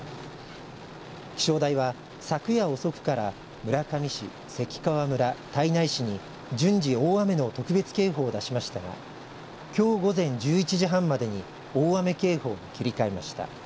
気象台は、昨夜遅くから村上市、関川村、胎内市に順次大雨の特別警報を出しましたがきょう午前１１時半までに大雨警報に切り替えました。